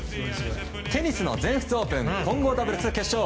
テニスの全仏オープン混合ダブルス決勝。